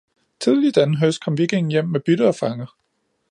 Tidlig denne Høst kom Vikingen hjem med Bytte og Fanger.